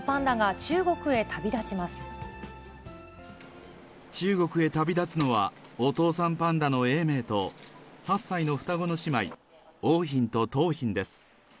中国へ旅立つのは、お父さんパンダの永明と、８歳の双子の姉妹、桜浜と桃浜です。